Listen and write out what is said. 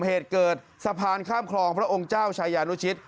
เหตุเกิดสะพานข้ามคลองพระองค์เจ้าชายานุชิต